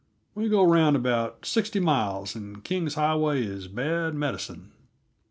We go round about sixty miles, and King's Highway is bad medicine.